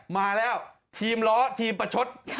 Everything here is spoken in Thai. มาแล้วทีมล้อทีมประชด